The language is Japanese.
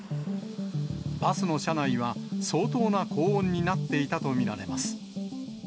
バスの車内は相当な高温になっていたと見られます。